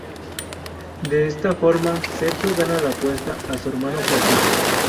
De esta forma, Sergio gana la apuesta a su hermano Joaquín.